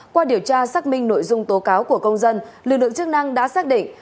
qua điều tra xác minh nội dung tố cáo của công dân lực lượng chức năng đã xác định